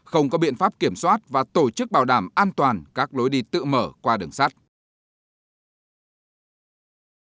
không có biện pháp kiểm soát và tổ chức bảo đảm an toàn các lối đi tự mở qua đường sắt